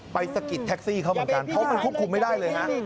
ไปสะกิดแท็กซี่เขาก็คือครูกคุมไม่ได้เลยคระ